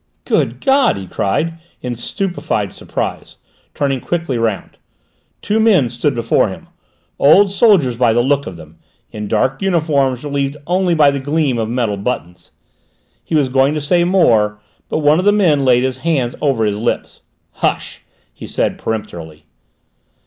"Good God!" he cried, in stupefied surprise, turning quickly round. Two men stood before him, old soldiers by the look of them, in dark uniforms relieved only by the gleam of metal buttons. He was going to say more, but one of the men laid his hand over his lips. "Hush!" he said peremptorily.